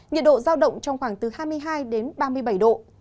nhiệt độ giao động trong khoảng từ hai mươi hai đến ba mươi bảy độ